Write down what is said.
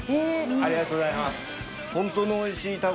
ありがとうございます。